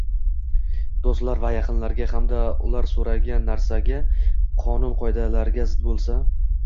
Do‘stlar va yaqinlarga ham ular so‘ragan narsaga qonun-qoidalanga zid bo‘lsa